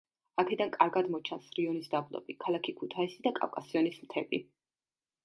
აქედან კარგად მოჩანს რიონის დაბლობი, ქალაქი ქუთაისი და კავკასიონის მთები.